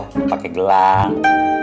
lu pake gelang